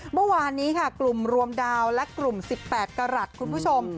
เมื่อวานนี้ค่ะกลุ่มรวมดาวและกลุ่ม๑๘กรัฐคุณผู้ชม